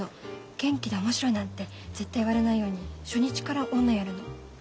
元気で面白いなんて絶対言われないように初日から女やるの。